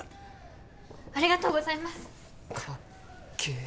ありがとうございます！かっけえ。